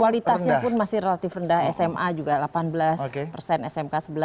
kualitasnya pun masih relatif rendah sma juga delapan belas persen smk sebelas